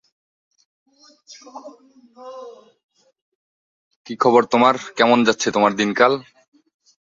সেখানে কিছু শহুরে বনাঞ্চল যেমন ক্লিফটন আরবান ফরেস্ট এলাকার অবস্থা ও সৌন্দর্য উন্নত করার জন্য রোপণ করা হয়েছে।